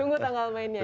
tunggu tanggal mainnya ya